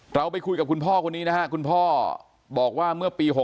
เราไปคุยกับคุณพ่อคนนี้นะฮะคุณพ่อบอกว่าเมื่อปี๖๖